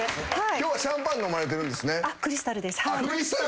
今日はシャンパン飲まれてるんですね。